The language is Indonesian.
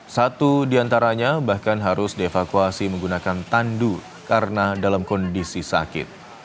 satu di antaranya bahkan harus dievakuasi menggunakan tandu karena dalam kondisi sakit